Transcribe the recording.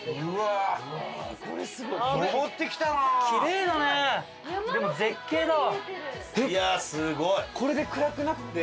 いやあすごい。